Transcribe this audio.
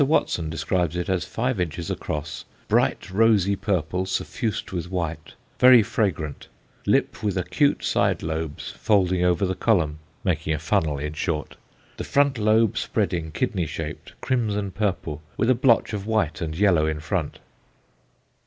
Watson describes it as five inches across, "bright rosy purple suffused with white, very fragrant, lip with acute side lobes folding over the column," making a funnel, in short "the front lobe spreading, kidney shaped, crimson purple, with a blotch of white and yellow in front."